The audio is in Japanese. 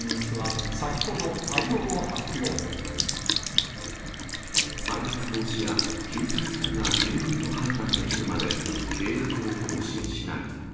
サントリーホールディングスは、再発防止や救済策が十分と判断できるまで、契約を更新しない。